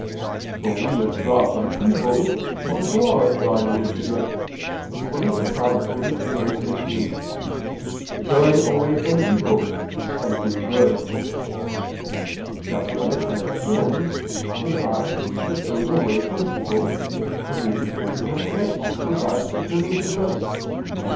For we withdraw from evil before drawing near to good, according to Ps. 33:15: "Turn away from evil, and do good." Now the remission of sins regards the turning away from evil, and the infusion of grace regards the turning to good.